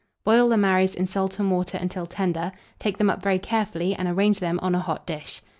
Boil the marrows in salt and water until tender; take them up very carefully, and arrange them on a hot dish.